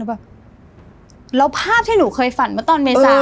แล้วแบบแล้วภาพที่หนูเคยฝันมาตอนเมษา